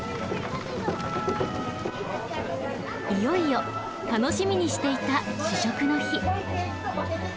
いよいよ楽しみにしていた試食の日。